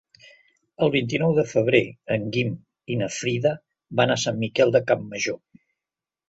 El vint-i-nou de febrer en Guim i na Frida van a Sant Miquel de Campmajor.